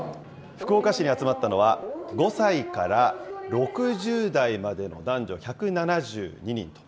福岡市に集まったのは、５歳から６０代までの男女１７２人と。